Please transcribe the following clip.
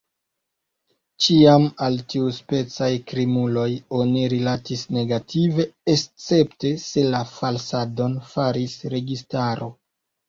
Ĉiam al tiuspecaj krimuloj oni rilatis negative, escepte se la falsadon faris registaro.